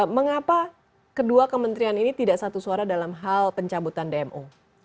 mengapa kedua kementerian ini tidak satu suara dalam hal pencabutan dmo